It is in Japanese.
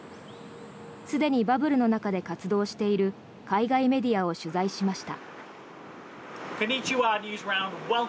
すでにバブルの中で活動している海外メディアを取材しました。